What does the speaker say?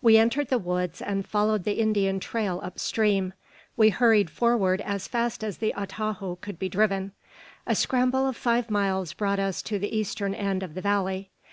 We entered the woods, and followed the Indian trail up stream. We hurried forward as fast as the atajo could be driven. A scramble of five miles brought us to the eastern end of the valley.